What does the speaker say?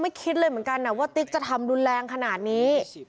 คิดเลยเหมือนกันนะว่าติ๊กจะทำรุนแรงขนาดนี้